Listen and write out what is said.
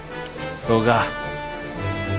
そうか。